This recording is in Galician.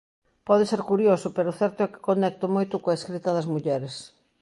Pode ser curioso, pero o certo é que conecto moito coa escrita das mulleres.